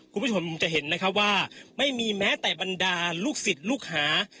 คุณผู้ชมจะเห็นนะคะว่าไม่มีแม้แต่บรรดาลูกศิษย์ลูกหา